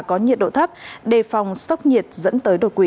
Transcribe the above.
có nhiệt độ thấp đề phòng sốc nhiệt dẫn tới đột quỵ